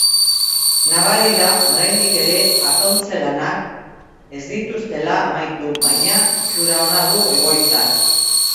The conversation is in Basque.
Nabari da oraindik ere atontze-lanak ez dituztela amaitu, baina itxura ona du egoitzak.